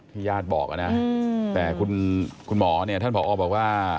ญาติบอกนะแต่คุณหมอเนี่ยท่านผอบอกว่า